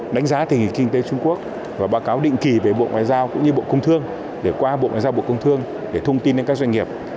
đánh giá tình hình kinh tế trung quốc và báo cáo định kỳ về bộ ngoại giao cũng như bộ công thương để qua bộ ngoại giao bộ công thương để thông tin đến các doanh nghiệp